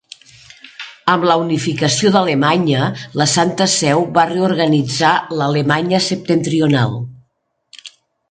Amb la unificació d'Alemanya la Santa Seu va reorganitzar l'Alemanya septentrional.